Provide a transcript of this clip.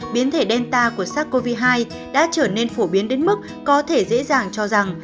biến thể delta của sars cov hai đã trở nên phổ biến đến mức có thể dễ dàng cho rằng